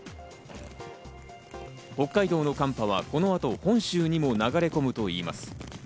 北海道の寒波はこの後、本州にも流れ込むといいます。